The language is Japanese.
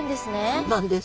そうなんです。